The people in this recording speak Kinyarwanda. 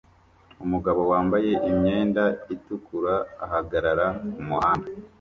Umugabo wambaye imyenda itukura ahagarara kumuhanda